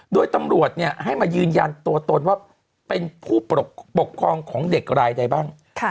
โดยตำรวจให้มายืนยันตัวตนว่าเป็นผู้ปกครองของเด็กรายใดบ้าง